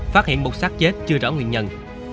phát hiện một sát chết chưa rõ nguyên nhân